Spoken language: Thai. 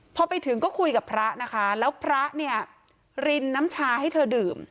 พอไปถึงก็คุยกับพระนะคะแล้วพระเนี่ยรินน้ำชาให้เธอดื่ม